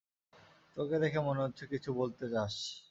তোকে দেখে মনে হচ্ছে কিছু বলতে চাস।